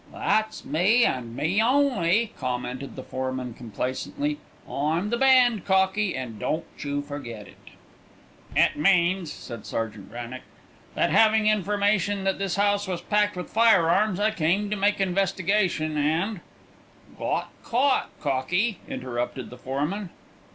"That's me, and me only!" commented the foreman complacently. "I'm the band, cockie, and don't you forget it." "It means," said Sergeant Wrannock, "that having information that this house was packed with firearms, I came to make investigation and " "Got caught, cockie," interrupted the foreman.